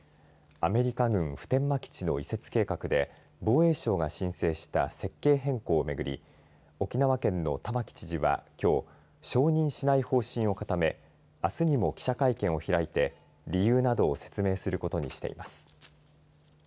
アメリカ軍普天間基地の移設計画で防衛省が申請した設計変更をめぐり沖縄県の玉城知事はきょう承認しない方針を固めあすにも記者会見を開いて理由などを説明することにしています。